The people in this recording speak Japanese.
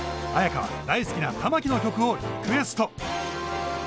絢香は大好きな玉置の曲をリクエスト。